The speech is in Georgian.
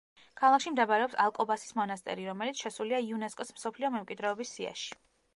ქალაქში მდებარეობს ალკობასის მონასტერი რომელიც შესულია იუნესკოს მსოფლიო მემკვიდრეობის სიაში.